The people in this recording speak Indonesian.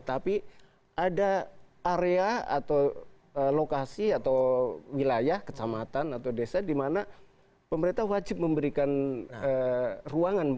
tapi ada area atau lokasi atau wilayah kecamatan atau desa di mana pemerintah wajib memberikan ruangan